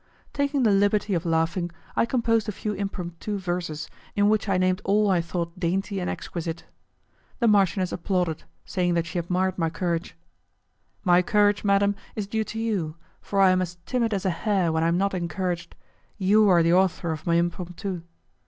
Taking the liberty of laughing, I composed a few impromptu verses in which I named all I thought dainty and exquisite. The marchioness applauded, saying that she admired my courage. "My courage, madam, is due to you, for I am as timid as a hare when I am not encouraged; you are the author of my impromptu."